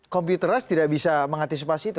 computerus tidak bisa mengantisipasi itu